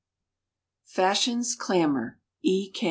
FASHION'S CLAMOR. E.